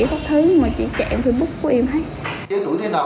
không có thứ mà chị chạy facebook của em hết